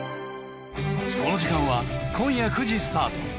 この時間は今夜９時スタート